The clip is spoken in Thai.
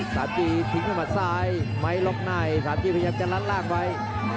สามจีนถึงเลยกับที่ซ้ายไม่ล็อคไหนสามจีนมันยับจะรัดล่างไว้